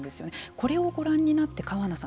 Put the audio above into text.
これをご覧になって川名さん